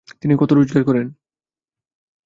তিনি কত রোজগার করেন?